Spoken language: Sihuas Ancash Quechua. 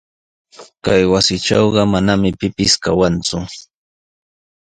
Chay wasitrawqa manami pipis kawanku.